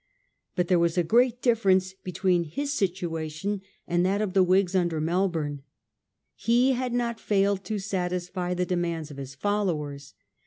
But there was a great difference between his situation and that of the Whigs under Melbourne. He had not failed to satisfy the demands of his followers.